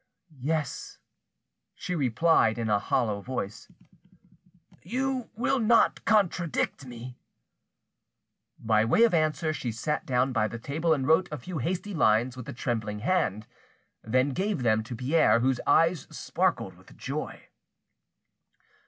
"Yes," she replied in a hollow voice. "You will not contradict me?" By way of answer she sat down by the table and wrote a few hasty lines with a trembling hand, then gave them to Pierre, whose eyes sparkled with joy.